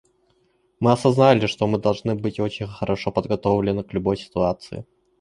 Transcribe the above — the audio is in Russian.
Мы осознали, что мы должны быть очень хорошо подготовлены к любой ситуации.